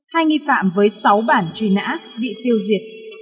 hai nghi phạm với sáu bản truy nã bị tiêu diệt